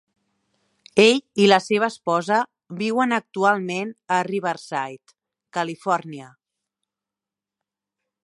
Ell i la seva esposa viuen actualment a Riverside, Califòrnia.